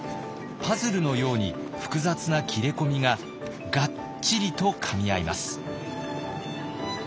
パズルのように複雑な切れ込みががっちりとかみ合います。